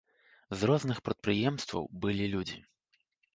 З розных прадпрыемстваў былі людзі.